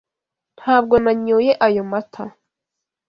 Ntabwo nanyoye ayo mata.